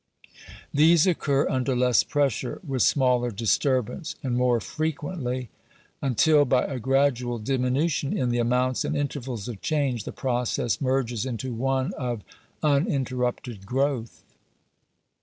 These occur under less pressure; with smaller disturbance; and more frequently: until, by a gradual diminution in the amounts and intervals of change, the process merges into one of uninterrupted growth.